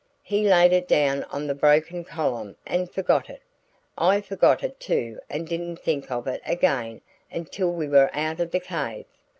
He laid it down on the broken column and forgot it. I forgot it too and didn't think of it again until we were out of the cave.